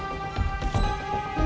tidak ada yang bisa dihukum